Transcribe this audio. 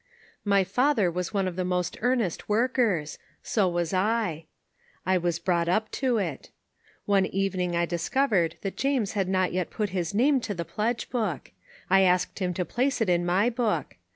My father was one of the most earnest workers; so was I. I was brought up to it. One evening I dis covered that Ja'mes had not yet put his name to the pledge book. I asked him to place it on my book.